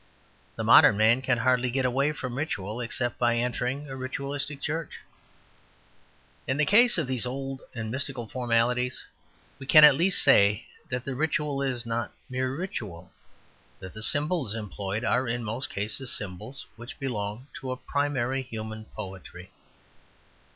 The modern man can hardly get away from ritual except by entering a ritualistic church. In the case of these old and mystical formalities we can at least say that the ritual is not mere ritual; that the symbols employed are in most cases symbols which belong to a primary human poetry.